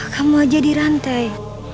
kamu aja dirantai